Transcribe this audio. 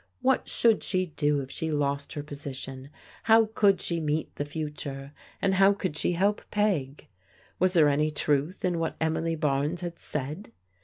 What should she do if she lost her position ? How could she meet the future, and how could she help Peg? Was there any truth in what Emily Barnes had said?